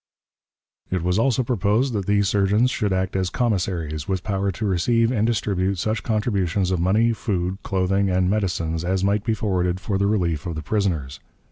It was also proposed that these surgeons should act as commissaries, with power to receive and distribute such contributions of money, food, clothing, and medicines as might be forwarded for the relief of the prisoners.